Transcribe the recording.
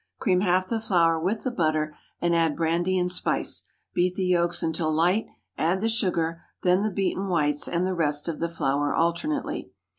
Cream half the flour with the butter, and add brandy and spice. Beat the yolks until light, add the sugar, then the beaten whites and the rest of the flour alternately.